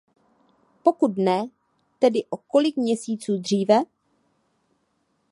Pokud ne, tedy o kolik měsíců dříve?